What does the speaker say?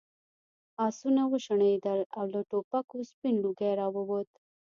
آسونه وشڼېدل او له ټوپکو سپین لوګی راووت.